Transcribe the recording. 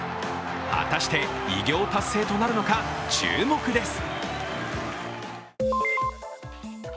果たして偉業達成となるのか、注目です。